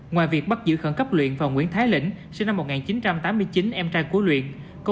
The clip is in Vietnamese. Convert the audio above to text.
ngoài việc bắt giữ khẩn cấp luyện và nguyễn thái lĩnh sinh năm một nghìn chín trăm tám mươi chín em trai của luyện